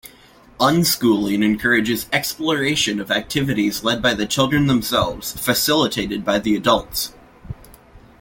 Unschooling encourages exploration of activities led by the children themselves, facilitated by the adults.